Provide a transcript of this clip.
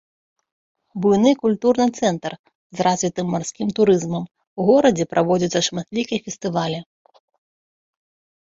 Буйны культурны цэнтр з развітым марскім турызмам, у горадзе праводзяцца шматлікія фестывалі.